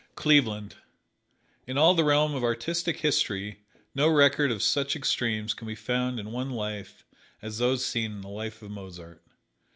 Cleveland: In all the realm of artistic history no record of such extremes can be found in one life as those seen in the life of Mozart.